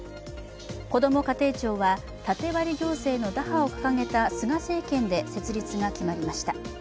こども家庭庁は縦割り行政の打破を掲げた菅政権で設立が決まりました。